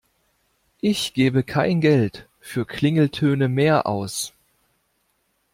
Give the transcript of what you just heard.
Ich gebe kein Geld für Klingeltöne mehr aus.